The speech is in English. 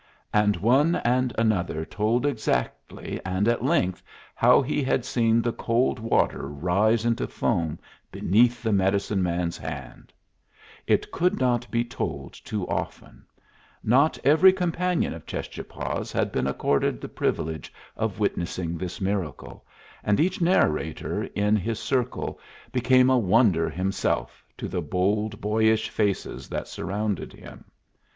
And one and another told exactly and at length how he had seen the cold water rise into foam beneath the medicine man's hand; it could not be told too often; not every companion of Cheschapah's had been accorded the privilege of witnessing this miracle, and each narrator in his circle became a wonder himself to the bold boyish faces that surrounded him.